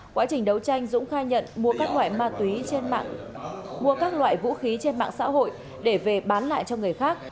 quá trình đấu tranh dũng khai nhận mua các loại ma túy trên mạng xã hội để về bán lại cho người khác